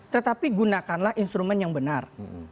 tetapi gunakanlah instrumen yang benar